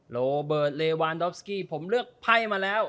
โรเบิร์ตเลวานดอฟสกี้ผมเลือกไพ่มาแล้ว